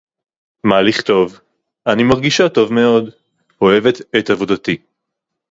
מה לכתוב? – אני מרגישה טוב מאוד, אוהבת את עבודתי.